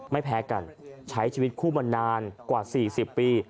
ไม่แพ้กันใช้ชีวิตคู่มานานกว่า๔๐ปี